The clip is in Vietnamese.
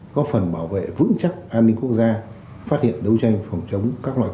có phần bảo vệ vững chắc an ninh quốc gia phát hiện đấu tranh phòng chống